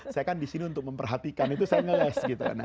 saya kan disini untuk memperhatikan itu saya ngeles gitu